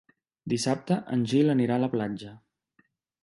Dissabte en Gil anirà a la platja.